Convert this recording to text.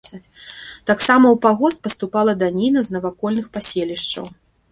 Таксама ў пагост паступала даніна з навакольных паселішчаў.